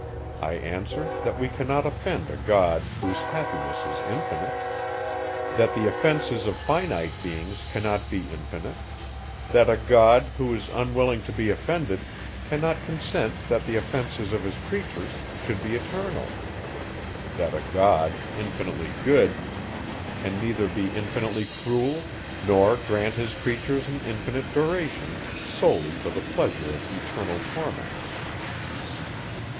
I answer, that we cannot offend a God, whose happiness is infinite; that the offences of finite beings cannot be infinite; that a God, who is unwilling to be offended, cannot consent that the offences of his creatures should be eternal; that a God, infinitely good, can neither be infinitely cruel, nor grant his creatures an infinite duration, solely for the pleasure of eternal torments.